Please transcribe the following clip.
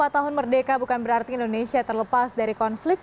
dua puluh tahun merdeka bukan berarti indonesia terlepas dari konflik